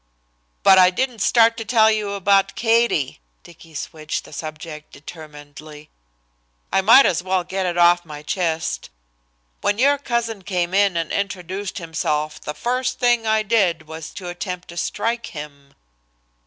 "But I didn't start to tell you about Katie." Dicky switched the subject determinedly. "I might as well get it off my chest. When your cousin came in and introduced himself the first thing I did was to attempt to strike him."